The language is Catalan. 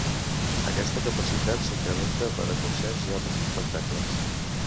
Aquesta capacitat s'incrementa per a concerts i altres espectacles.